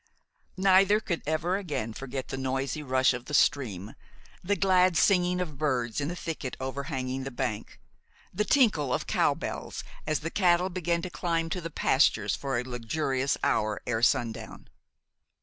Neither could ever again forget the noisy rush of the stream, the glad singing of birds in a thicket overhanging the bank, the tinkle of the cow bells as the cattle began to climb to the pastures for a luxurious hour ere sundown.